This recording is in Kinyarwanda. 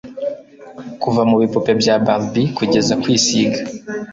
kuva mubipupe bya barbie kugeza kwisiga